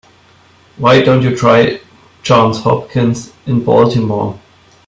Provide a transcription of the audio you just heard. Why don't you try Johns Hopkins in Baltimore?